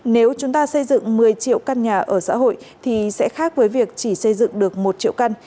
nếu chúng ta xây dựng một mươi triệu căn nhà ở xã hội thì sẽ khác với việc chỉ xây dựng được một triệu căn